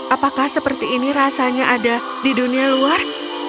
apakah seperti ini rasanya ada di dunia luar